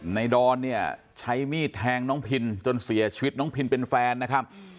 ดอนเนี่ยใช้มีดแทงน้องพินจนเสียชีวิตน้องพินเป็นแฟนนะครับ